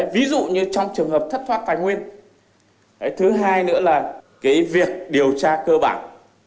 ví dụ như trong trường hợp thất thoát tài nguyên thứ hai nữa là việc điều tra cơ bản